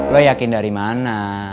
lo yakin dari mana